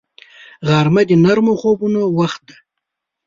غرمه د نرمو خوبونو وخت دی